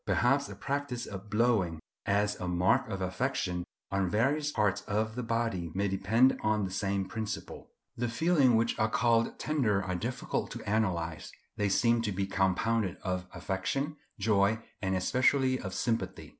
Perhaps the practice of blowing, as a mark of affection, on various parts of the body may depend on the same principle. The feelings which are called tender are difficult to analyse; they seem to be compounded of affection, joy, and especially of sympathy.